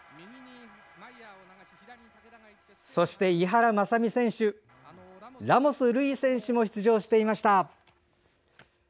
そして、井原正巳選手ラモス瑠偉選手が出場していました。